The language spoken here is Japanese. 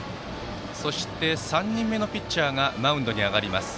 そして３人目のピッチャーがマウンドに上がります。